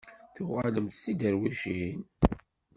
Tuɣalemt d tiderwicin?